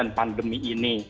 ujian pandemi ini